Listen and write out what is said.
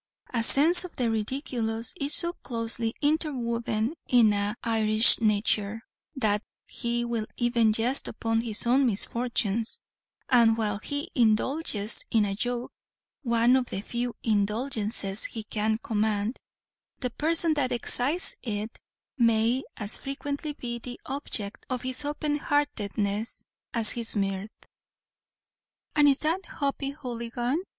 A sense of the ridiculous is so closely interwoven in an Irishman's nature, that he will even jest upon his own misfortunes; and while he indulges in a joke (one of the few indulgences he can command), the person that excites it may as frequently be the object of his openheartedness as his mirth. "And is that Hoppy Houligan?"